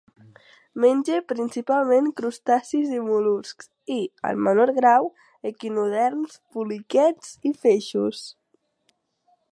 Menja principalment crustacis i mol·luscs, i, en menor grau, equinoderms, poliquets i peixos.